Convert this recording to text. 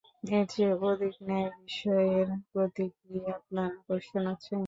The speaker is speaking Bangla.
এর চেয়ে অধিক ন্যায় বিষয়ের প্রতি কি আপনার আকর্ষণ আছে?